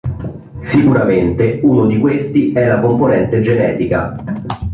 Sicuramente uno di questi è la componente genetica.